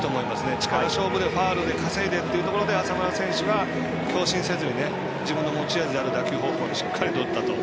力勝負でファウルで稼いでというところで浅村選手が強振せずに自分の持ち味である打球方向にしっかり打ったと。